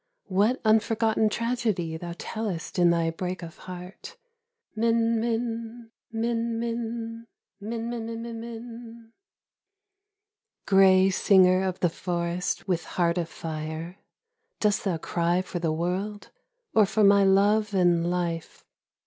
What unforgotten tragedy thou tellest in thy break of heart ! Min tnin, mitiy min, niimninminminmin ..../ Grey singer of the forest with heart of fire. Dost thon cry for the world, or for my love and life